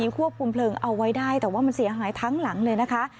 ควบคุมเพลิงเอาไว้ได้แต่ว่ามันเสียหายทั้งหลังเลยนะคะ